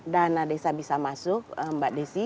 dana desa bisa masuk mbak desi